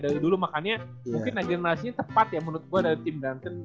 dari dulu makannya mungkin negatifnya tepat ya menurut gue dari tim duncan